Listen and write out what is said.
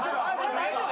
大丈夫？